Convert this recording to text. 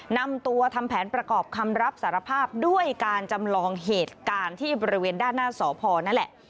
นำตัวทำแผนประกอบคำรับสารภาพด้วยการจำลองเหตุการณ์ที่บริเวณด้านหน้าสพนั่นแหละ